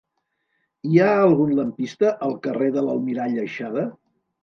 Hi ha algun lampista al carrer de l'Almirall Aixada?